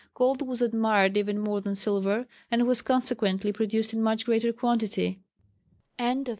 Gold was admired even more than silver, and was consequently produced in much greater quantity. _Education.